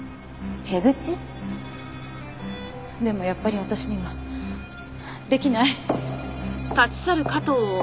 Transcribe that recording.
でもやっぱり私にはできない！